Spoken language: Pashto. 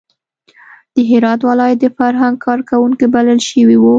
د هرات ولایت د فرهنګ کار کوونکي بلل شوي وو.